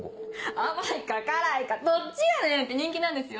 甘いか辛いかどっちやねん！って人気なんですよ。